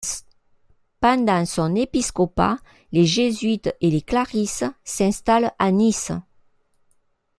Pendant son épiscopat les jésuites et les clarisses s'installent à Nice.